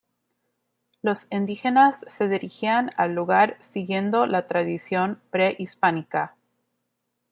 Los indígenas se dirigían al lugar siguiendo la tradición prehispánica.